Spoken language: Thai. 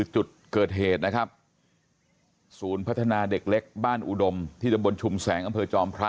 จุดเกิดเหตุนะครับศูนย์พัฒนาเด็กเล็กบ้านอุดมที่ตำบลชุมแสงอำเภอจอมพระ